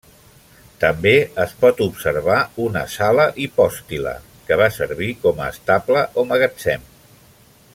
També es pot observar una Sala Hipòstila, que va servir com a estable o magatzem.